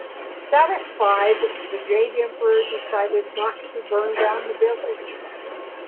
Satisfied, the Jade Emperor decided not to burn down the village.